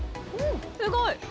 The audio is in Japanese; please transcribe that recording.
すごい。